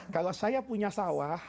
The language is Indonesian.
kalau saya punya sawah